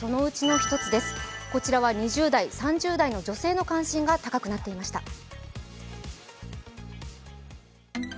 こちらは２０代３０代女性の関心が高くなっていました。